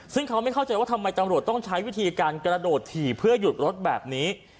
ซึ่งเขาไม่เข้าใจว่าทำไมตำรวจต้องใช้วิธีการกระโดดถี่เพื่อหยุดรถแบบนี้